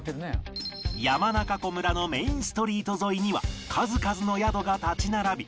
山中湖村のメインストリート沿いには数々の宿が立ち並び